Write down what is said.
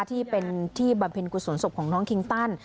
ที่เป็นที่บรรพินกุศสนศพของน้องคิงตั้น